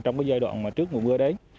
trong giai đoạn trước mùa mưa đấy